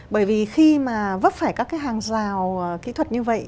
bởi vì khi mà vấp phải các cái hàng rào kỹ thuật như vậy